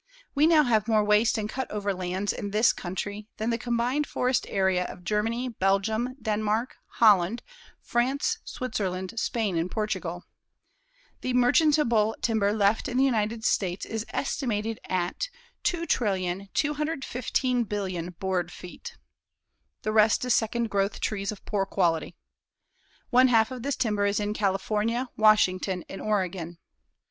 We now have more waste and cut over lands in this country than the combined forest area of Germany, Belgium, Denmark, Holland, France, Switzerland, Spain and Portugal. The merchantable timber left in the United States is estimated at 2,215,000,000,000 board feet. The rest is second growth trees of poor quality. One half of this timber is in California, Washington and Oregon.